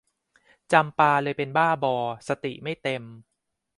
จำปาเลยเป็นบ้าบอสติไม่เต็ม